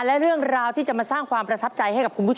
และเรื่องราวที่จะมาสร้างความประทับใจ